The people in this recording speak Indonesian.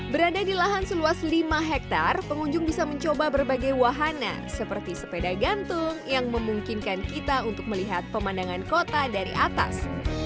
berada di lahan seluas lima hektare pengunjung bisa mencoba berbagai wahana seperti sepeda gantung yang memungkinkan kita untuk melihat pemandangan kota dari atas